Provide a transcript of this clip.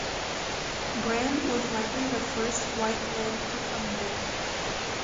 Brand was likely the first white men to come there.